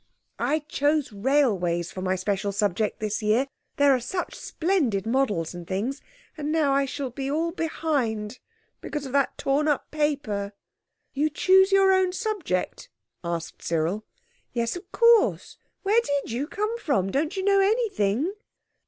I chose railways for my special subject this year, there are such splendid models and things, and now I shall be all behind because of that torn up paper." "You choose your own subject?" asked Cyril. "Yes, of course. Where did you come from? Don't you know _anything?